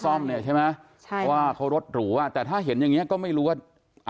ซ่อมเนี่ยใช่ไหมใช่เพราะว่าเขารถหรูอ่ะแต่ถ้าเห็นอย่างเงี้ก็ไม่รู้ว่า